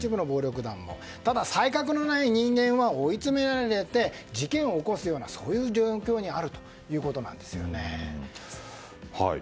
ただ、才覚のない人間は追いつめられて事件を起こすような状況にあるということです。